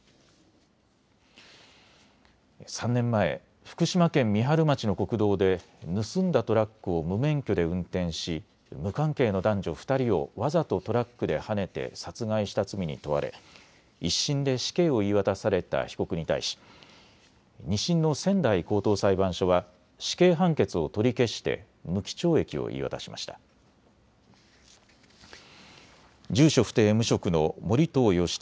３年前、福島県三春町の国道で盗んだトラックを無免許で運転し無関係の男女２人をわざとトラックではねて殺害した罪に問われ１審で死刑を言い渡された被告に対し２審の仙台高等裁判所は死刑判決を取り消して無期懲役を言い渡しました。